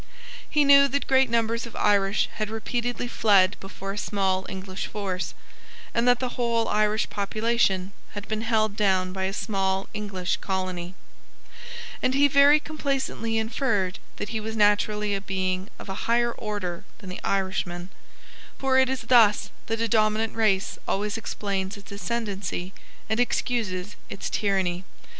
He knew that great numbers of Irish had repeatedly fled before a small English force, and that the whole Irish population had been held down by a small English colony; and he very complacently inferred that he was naturally a being of a higher order than the Irishman: for it is thus that a dominant race always explains its ascendency and excuses its tyranny.